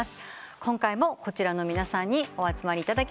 今回もこちらの皆さんにお集まりいただきました。